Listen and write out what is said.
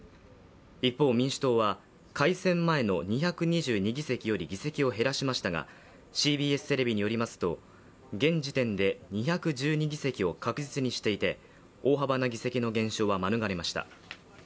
一方、民主党は改選前の２２２議席より議席を減らしましたがＣＢＳテレビによりますと現時点で２１２議席を確実にしていて大幅な議席の減少は免れました。